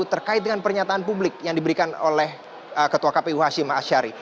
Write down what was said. terkait dengan pernyataan publik yang diberikan oleh ketua kpu hashim ashari